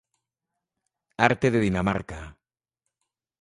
Arte de Dinamarca